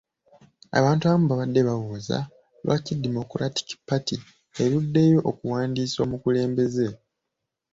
Abantu abamu babadde babuuza lwaki Democratic Party eruddeyo okuwandiisa omukulembeze.